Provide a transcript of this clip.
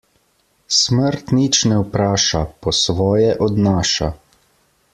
Smrt nič ne vpraša, po svoje odnaša.